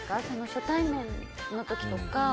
初対面の時とか。